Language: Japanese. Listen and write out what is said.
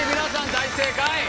大正解。